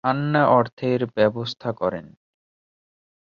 আন্না অর্থের ব্যবস্থা করেন।